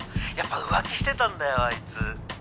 「やっぱ浮気してたんだよあいつ」